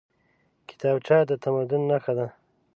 کتابچه د تمدن نښه ده